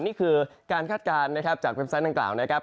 นี่คือการคาดการณ์นะครับจากเว็บไซต์ดังกล่าวนะครับ